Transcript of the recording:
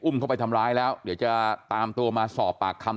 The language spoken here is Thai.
เข้าไปทำร้ายแล้วเดี๋ยวจะตามตัวมาสอบปากคำ